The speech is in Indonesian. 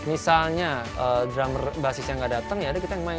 misalnya drummer basisnya nggak datang ya ada kita yang main